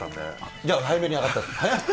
じゃあ早めに上がった？